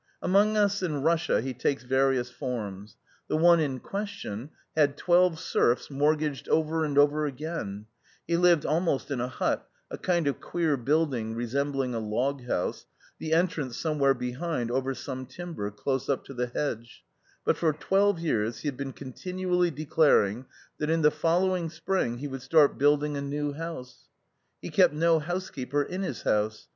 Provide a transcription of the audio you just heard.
Among us in Russia he takes various forms. The one in question had twelve serfs mortgaged over and over again ; he lived almost in a hut, a kind of queer building resembling a loghouse — the entrance somewhere behind over some timber, close up to the hedge ; but for twelve years he had been continually declaring that in the follow ing spring he would start building a new house. He kept no housekeeper in his house.